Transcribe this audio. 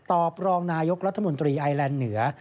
ปรองนายกรัฐมนตรีไอแลนด์เหนือ